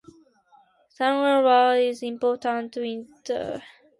Strangford Lough is an important winter migration destination for many wading and sea birds.